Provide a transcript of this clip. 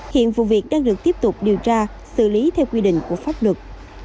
hiện vụ việc đang được tiếp tục điều tra xử lý theo quy định của pháp luật